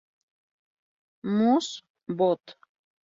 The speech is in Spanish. Mus., Bot.